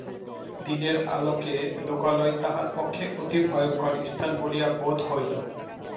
দিনের আলোকে লোকালয় তাহার পক্ষে অতি ভয়ংকর স্থান বলিয়া বোধ হইল।